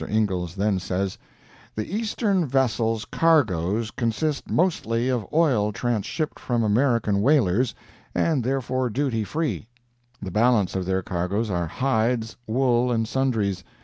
Ingals then says: "The Eastern vessels' cargoes consist mostly of oil transhipped from American whalers, and therefore duty free—the balance of their cargoes are hides, wool and sundries.